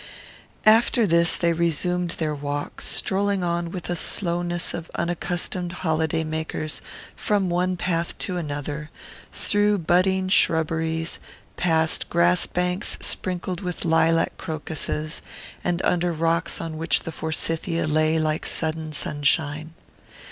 After this they resumed their walk, strolling on with the slowness of unaccustomed holiday makers from one path to another through budding shrubberies, past grass banks sprinkled with lilac crocuses, and under rocks on which the forsythia lay like sudden sunshine.